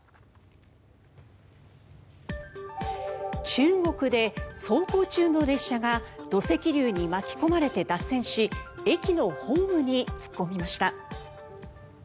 中国で走行中の列車が土石流に巻き込まれて脱線し駅のホームに突っ込みました。